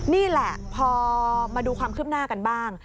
นี่แหละพอมาดูความคืบหน้ากันบ้าง